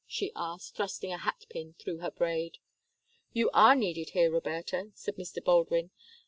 she asked, thrusting a hatpin through her braid. "You are needed here, Roberta," said Mr. Baldwin.